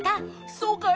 そうかい？